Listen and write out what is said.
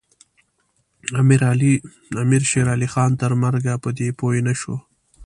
امیر شېرعلي خان تر مرګه په دې پوه نه شو.